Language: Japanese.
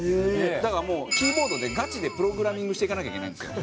だからもうキーボードでガチでプログラミングしていかなきゃいけないんですよ。